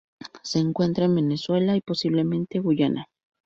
Se encuentra en Venezuela y posiblemente Guyana.